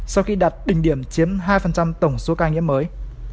sau khi đạt đỉnh điểm chiếm hai tổng số ca nhiễm mới